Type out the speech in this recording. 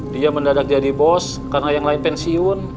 dia mendadak jadi bos karena yang lain pensiun